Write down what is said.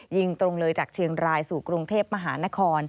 ยิงตรงเลยจากเชียงรายสู่กรุงเทพมหานคร